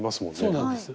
そうなんです。